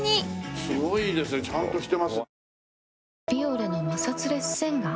すごいですね。ちゃんとしてます。